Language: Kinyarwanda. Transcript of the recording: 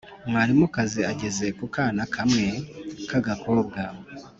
mwalimukazi ageze ku kana kamwe k’agakobwa